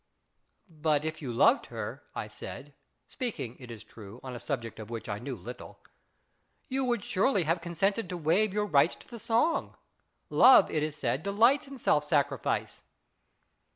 " But if you loved her," I said, speaking, it is true, on a subject of which I knew little, " you would surely have consented to waive your rights to the song. Love, it is said, delights in self sacrifice."